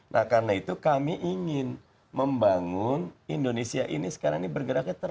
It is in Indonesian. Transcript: nah karena itu kami ingin membangun indonesia ini sekarang ini bergerak ke jawa barat